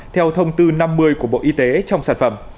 theo thông tư năm mươi của bộ y tế trong sản phẩm